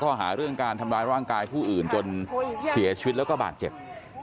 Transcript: ข้อหาเรื่องการทำร้ายร่างกายผู้อื่นจนเสียชีวิตแล้วก็บาดเจ็บ